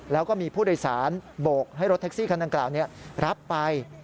แล้วก็มีผู้โดยสารโบกให้รถแท็กซี่คันดังกล่าวรับไป